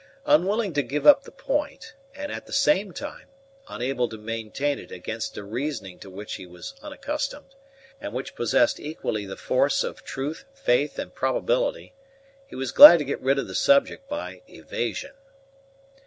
Unwilling to give up the point and, at the same time, unable to maintain it against a reasoning to which he was unaccustomed, and which possessed equally the force of truth, faith, and probability, he was glad to get rid of the subject by evasion.